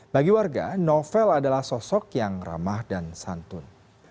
bagi warga novel adalah sosok yang ramah dan santun